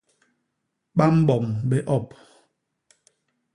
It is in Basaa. Ba mbom bé op.